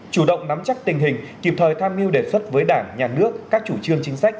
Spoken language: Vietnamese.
chủ động nắm chắc tình hình kịp thời tham mưu đề xuất với đảng nhà nước các chủ trương chính sách